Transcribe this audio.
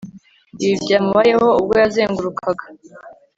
ibi byamubayeho ubwo yazengurukaga